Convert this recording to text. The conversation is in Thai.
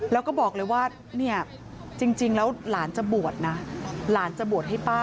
แล้วก็บอกเลยว่าเนี่ยจริงแล้วหลานจะบวชนะหลานจะบวชให้ป้า